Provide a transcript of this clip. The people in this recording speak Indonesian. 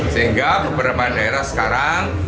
sehingga beberapa daerah sekarang